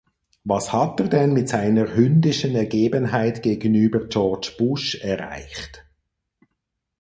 Was hat er denn mit seiner hündischen Ergebenheit gegenüber George Bush erreicht?